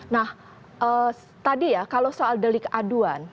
nah tadi ya kalau soal dari keaduan